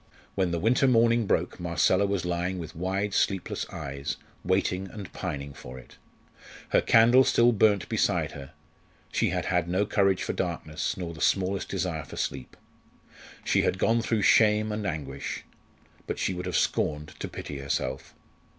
When the winter morning broke, Marcella was lying with wide sleepless eyes, waiting and pining for it. Her candle still burnt beside her; she had had no courage for darkness, nor the smallest desire for sleep. She had gone through shame and anguish. But she would have scorned to pity herself.